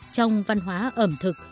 trong văn hóa ẩm thực